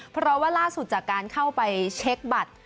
เพราะว่าล่าสุดจากการเข้าไปเช็คบัตร